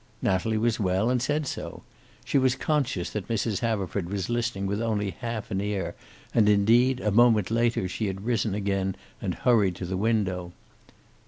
Natalie was well, and said so. She was conscious that Mrs. Haverford was listening with only half an ear, and indeed, a moment later she had risen again and hurried to the window.